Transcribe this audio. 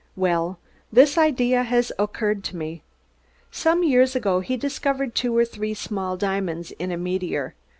"Well, this idea has occurred to me. Some years ago he discovered two or three small diamonds in a meteor.